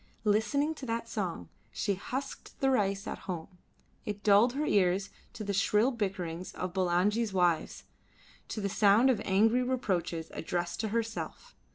Listening to that song she husked the rice at home; it dulled her ears to the shrill bickerings of Bulangi's wives, to the sound of angry reproaches addressed to herself.